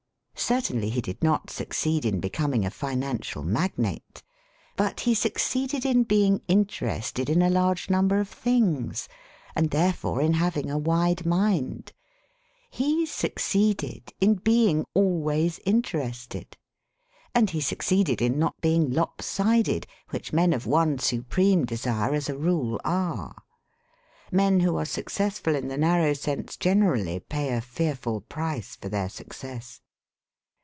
Certainly he did not suc ceed in being a financial magnate. But he suc ceeded in being interested in a large number of things, and therefore in having a wide mind. He succeeded in being always interested. And he succeeded in not being lop sided, which men of one supreme desire as a rule are. (Men who are suc cessful in the narrow sense generally pay a fear ful price for their success.)